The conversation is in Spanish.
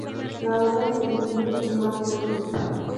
La obra se divide en cuatro libros.